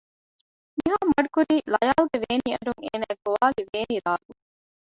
ނިހާން މަޑުކުރީ ލަޔާލުގެ ވޭނީ އަޑުން އޭނައަށް ގޮވާލި ވޭނީ ރާގުން